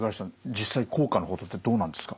実際効果の程ってどうなんですか？